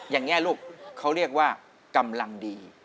อย่างนี้ลูกเขาเรียกว่ากำลังดี